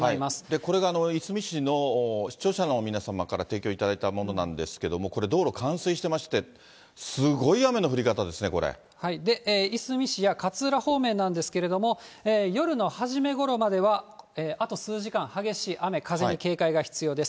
これがいすみ市の視聴者の皆様から提供いただいたものなんですけれども、これ、道路冠水してまして、すごい雨の降り方ですね、いすみ市や勝浦方面なんですけれども、夜の初めごろまでは、あと数時間、激しい雨、風に警戒が必要です。